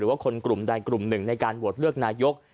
ว่าคนกลุ่มใดกลุ่มหนึ่งในการโหวตเลือกนายก